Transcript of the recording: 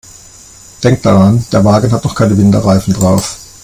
Denk daran, der Wagen hat noch keine Winterreifen drauf.